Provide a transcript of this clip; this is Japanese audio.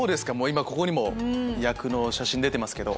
今ここにも役の写真出てますけど。